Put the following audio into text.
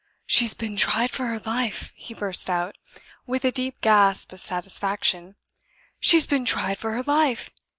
"She's been tried for her life!" he burst out, with a deep gasp of satisfaction. "She's been tried for her life!"